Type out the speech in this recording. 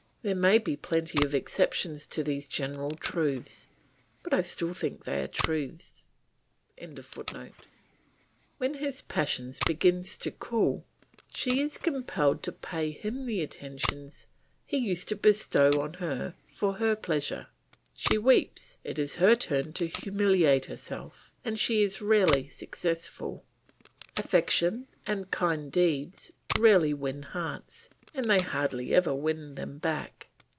There may be plenty of exceptions to these general truths; but I still think they are truths.] When his passion begins to cool she is compelled to pay him the attentions he used to bestow on her for her pleasure; she weeps, it is her turn to humiliate herself, and she is rarely successful. Affection and kind deeds rarely win hearts, and they hardly ever win them back.